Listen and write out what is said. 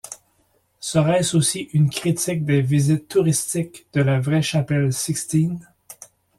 Serait-ce aussi une critique des visites touristiques de la vraie Chapelle Sixtine?